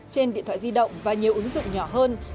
trên điện thoại di động và nhiều ứng dụng nhỏ hơn